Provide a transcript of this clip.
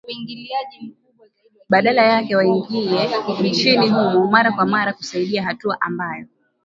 badala yake waingie nchini humo mara kwa mara kusaidia hatua ambayo